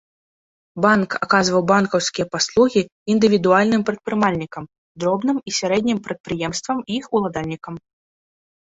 Банк аказваў банкаўскія паслугі індывідуальным прадпрымальнікам, дробным і сярэднім прадпрыемствам і іх уладальнікам.